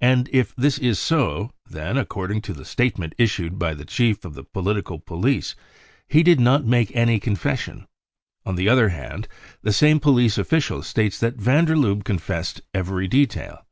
And if this is so, then, according to the statement issued by the chief of the political police, he.4id not make any confession. On the other hand, the same police official states that van der Lubbe confessed every detail.